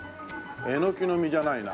エノキの実じゃないな。